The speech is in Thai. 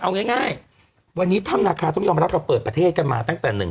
เอาง่ายวันนี้ถ้ำนาคาต้องยอมรับเราเปิดประเทศกันมาตั้งแต่หนึ่ง